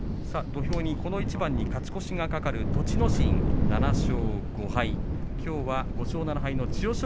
土俵にこの一番に勝ち越しが懸かる栃ノ心７勝５敗きょうは５勝７敗の千代翔